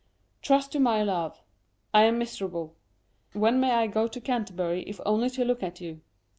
Trust to my love. I am miserable. When may I go to Canter bury if only to look at you